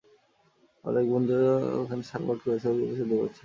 আমাদের এক বন্ধু এখানে সারোগেট করেছিলো, কিন্তু সে খুব দুর্বল ছিল।